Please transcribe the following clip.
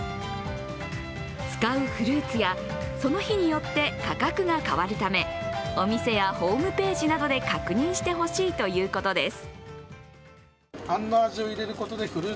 使うフルーツやその日によって価格が変わるためお店やホームページなどで確認してほしいということです。